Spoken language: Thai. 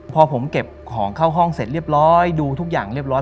พอผมเก็บของเข้าห้องเสร็จเรียบร้อยดูทุกอย่างเรียบร้อย